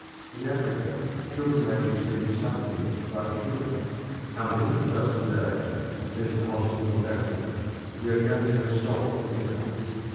In Africa children may be seen sucking it like sugar. "Come and eat with us today," says the hospitable African; "we are going to have salt for dinner."